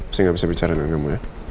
saya nggak bisa bicara dengan kamu ya